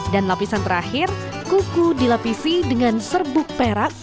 dan lapisan terakhir kuku dilapisi dengan serbuk perak